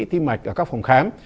thì mạch ở các phòng khám